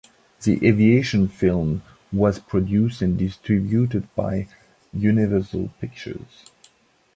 The aviation film was produced and distributed by Universal Pictures.